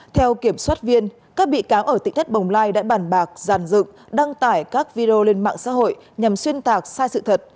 theo kiểm soát viên các bị cáo ở tị thất bồng lai đã bàn bạc giàn dựng đăng tải các video lên mạng xã hội nhằm xuyên tạc sai sự thật